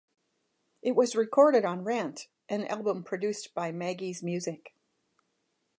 It was recorded on "Rant", an album produced by Maggie's Music.